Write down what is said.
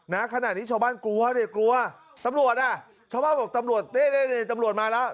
นะขณะนี้ชาวบ้านกลัวดิกลัวตำรวจอ่ะชาวบ้านบอกตำรวจเด้ตำรวจมาแล้ว